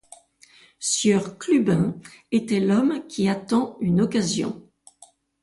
Sieur Clubin était l’homme qui attend une occasion.